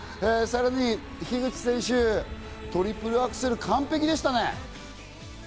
さらに樋口選手、トリプルアクセル、完璧でしたね。